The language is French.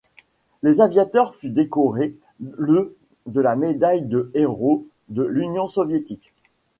Les aviateurs furent décorés le de la médaille de Héros de l'Union soviétique.